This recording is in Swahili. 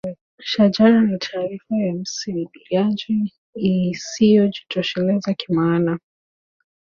shajara ni taarifa ya msimuliaji isiyojitosheleza kimaana